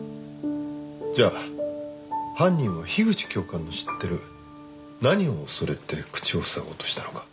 じゃあ犯人は樋口教官の知ってる何を恐れて口を塞ごうとしたのか。